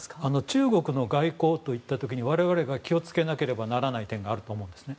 中国の外交といった時に我々が気を付けなければならない点があると思うんですね。